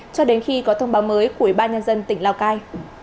cho đến khi có thông báo mới của ubnd tỉnh lào cai